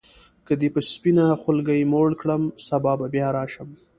که دي په سپینه خولګۍ موړ کړم سبا بیا راشم.